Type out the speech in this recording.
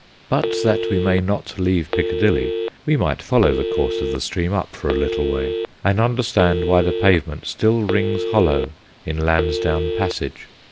But that we may not leave Piccadilly, we might follow the course of the stream up for a little way and understand why the pave ment still rings hollow in Lansdowne Passage.